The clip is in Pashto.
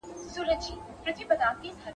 ډګر څېړنه د میز څېړنې په پرتله ستونزمنه ده.